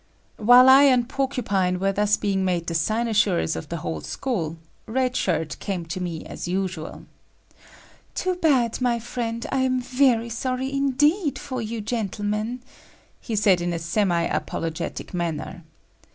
While I and Porcupine were thus being made the cynosures of the whole school, Red Shirt came to me as usual. "Too bad, my friend; I am very sorry indeed for you gentlemen," he said in a semi apologetic manner.